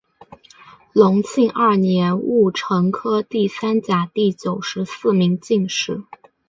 隆庆二年戊辰科第三甲第九十四名进士。